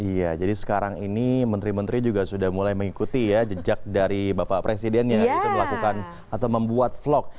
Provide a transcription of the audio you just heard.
iya jadi sekarang ini menteri menteri juga sudah mulai mengikuti ya jejak dari bapak presidennya gitu melakukan atau membuat vlog